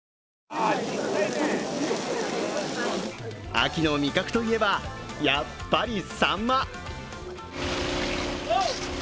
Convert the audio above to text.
秋の味覚といえば、やっぱりさんま。